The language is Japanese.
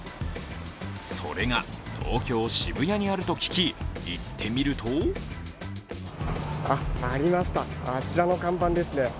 それが、東京・渋谷にあると聞き、行ってみるとあ、ありました、あちらの看板ですね。